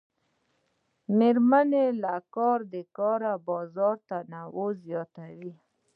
د میرمنو کار د کار بازار تنوع زیاتوي.